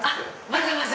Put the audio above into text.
わざわざ。